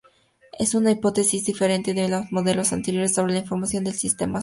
Es una hipótesis diferente de los modelos anteriores sobre la formación del sistema solar.